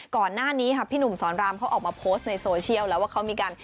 ก่อนหน้านี้ค่ะพี่หนุ่มสอนรามเขาออกมาโพสต์ในโซเชียลแล้วว่าเขามีการ